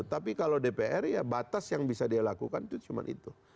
tapi kalau dpr ya batas yang bisa dia lakukan itu cuma itu